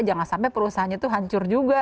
jangan sampai perusahaannya itu hancur juga